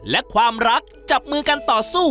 และความรักจับมือกันต่อสู้